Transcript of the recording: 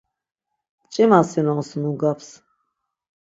Mç̌imasinons nungaps.